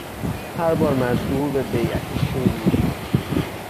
هر بار مجبور به بیعتی شوم میشد